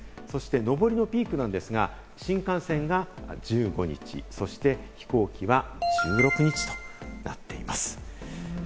上りのピークなんですが、新幹線が１５日、飛行機は１６日となっています。